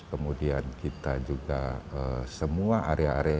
kemudian kita juga semua area area